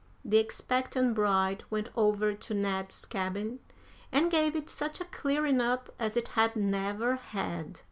The expectant bride went over to Ned's cabin and gave it such a clearing up as it had never had.